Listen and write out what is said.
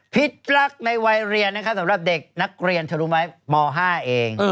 ผิดลักษณ์ในวัยเรียนสำหรับเด็กนักเรียนเธอรู้ไหมม๕เอง